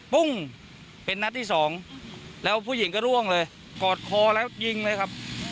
ปุ้งเป็นนัดที่สองแล้วผู้หญิงก็ร่วงเลยกอดคอแล้วยิงเลยครับ